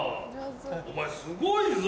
お前すごいぞ。